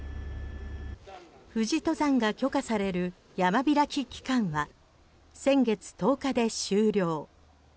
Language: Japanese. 富士登山が許可される山開き期間は先月１０日で終了。